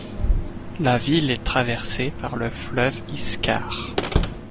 La ville est traversée par le fleuve Iskar.